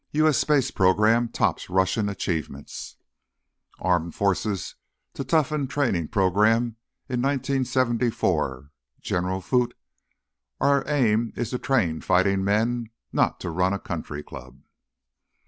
US Space Program Tops Russian Achievements ARMED FORCES TO TOUGHEN TRAINING PROGRAM IN 1974 Gen. Foote: "Our aim is to train fighting men, not to run a country club."